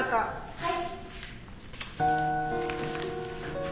はい。